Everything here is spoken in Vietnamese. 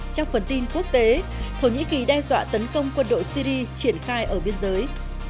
trong phần tin quốc tế thổ nhĩ kỳ đe dọa tấn công quân đội syri triển khai ở biên giới